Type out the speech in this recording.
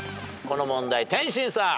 この問題天心さん。